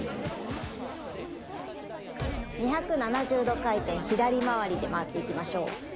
２７０度回転左回りで回っていきましょう。